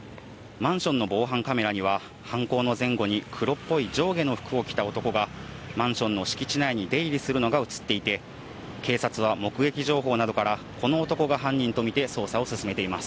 マンションの防犯カメラには、犯行の前後に黒っぽい上下の服を着た男がマンションの敷地内に出入りするのが映っていて、警察は目撃情報などから、この男が犯人と見て捜査を進めています。